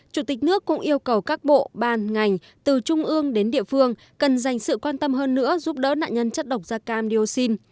chủ tịch nước cũng yêu cầu các bộ ban ngành từ trung ương đến địa phương cần dành sự quan tâm hơn nữa giúp đỡ nạn nhân chất độc da cam dioxin